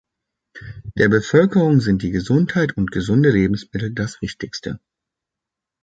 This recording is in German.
Der Bevölkerung sind die Gesundheit und gesunde Lebensmittel das Wichtigste.